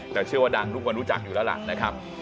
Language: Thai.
แต่เชื่อว่าดังทุกคนรู้จักอยู่แล้วล่ะนะครับ